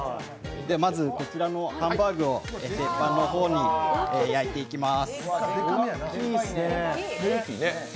まず、こちらのハンバーグを鉄板の方に焼いていきます。